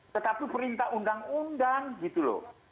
tetapi perintah undang undang gitu loh